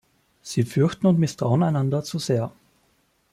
Sie fürchten und misstrauen einander zu sehr.